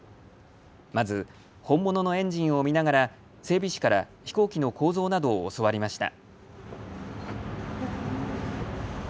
まず本物のエンジンを見ながら整備士から飛行機の構造などを教わりました。